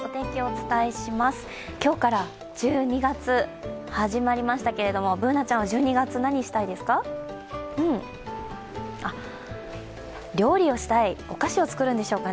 今日から１２月始まりましたけれどもＢｏｏｎａちゃんは１２月、何したいですか？